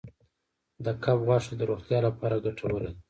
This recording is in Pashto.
د کب غوښه د روغتیا لپاره ګټوره ده.